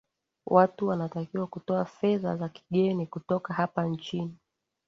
watu wanatakiwa kutoa fedha za kigeni kutoka hapa nchini